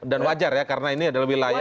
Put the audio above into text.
dan wajar ya karena ini adalah wilayah